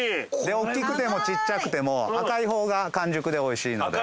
おっきくてもちっちゃくても赤い方が完熟でおいしいので。